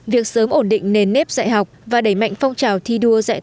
việc sớm ổn định nền nếp dạy học và đẩy mạnh phong trào thi đua dạy